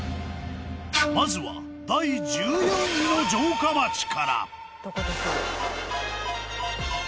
まずは第１４位の城下町から。